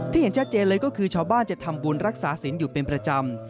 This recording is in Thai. เห็นชัดเจนเลยก็คือชาวบ้านจะทำบุญรักษาศิลป์อยู่เป็นประจำ